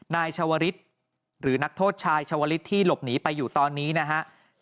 นายชวริษฐ์หรือนักโทษชายชวริษฐ์ที่หลบหนีไปอยู่ตอนนี้นะฮะได้